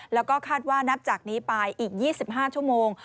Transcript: แล้วก็คาดว่านับจากนี้ไปอีก๒๕ชั่วโมง